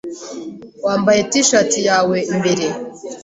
Wambaye T-shirt yawe imbere.